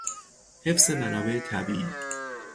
حفظ منابع طبیعی